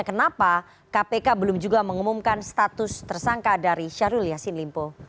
kenapa kpk belum juga mengumumkan status tersangka dari syahrul yassin limpo